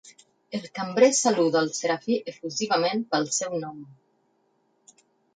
El cambrer saluda el Serafí efusivament pel seu nom.